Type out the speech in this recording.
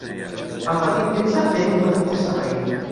El Petit Príncep ve d'un petit asteroide.